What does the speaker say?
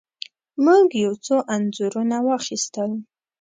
موږ یو څو انځورونه واخیستل.